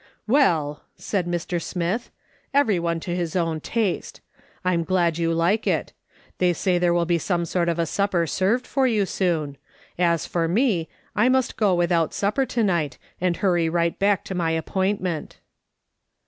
" "Well," said Mr. Smith, " everyone to his taste. I'm glad you like it. They say there will be some sort of a supper served for you soon. As for me, I must go without supper to night and hurry right back to my appointment."